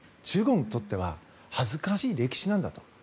中国にとっては恥ずかしい歴史なんだと。